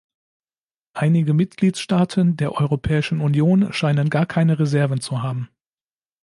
Einige Mitgliedstaaten der Europäischen Union scheinen gar keine Reserven zu haben.